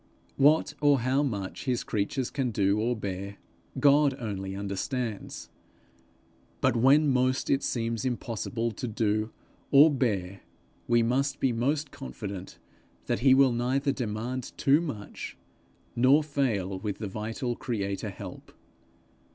What or how much his creatures can do or bear, God only understands; but when most it seems impossible to do or bear, we must be most confident that he will neither demand too much, nor fail with the vital creator help.